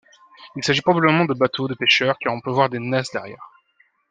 Il s'agit probablement de bateaux de pécheurs car on peut voir des nasses derrière.